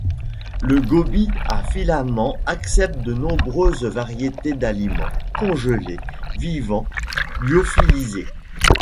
Le Gobie à filaments accepte de nombreuses variétés d'aliments, congelés, vivants, lyophilisés.